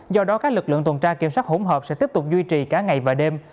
do đó các lực lượng tuần tra kiểm soát hỗn hợp sẽ tiếp tục duy trì cả ngày và đêm